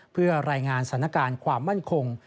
เพื่อรายงานสถานการณ์ความมั่นคง